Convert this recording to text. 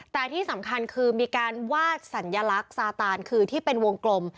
แต่ที่สำคัญคือมีการวาดสัญลักษณ์ซาตานคือที่เป็นวงกลม